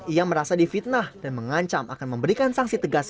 ia merasa difitnah dan mengancam akan memberikan sanksi tegas